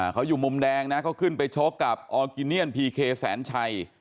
เขาอยู่มุมแดงนะเขาขึ้นไปชกกับออร์กิเนียนพีเคแสนชัย